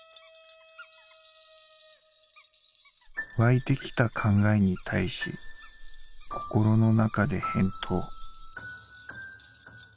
「湧いてきた考えに対し心の中で返答」。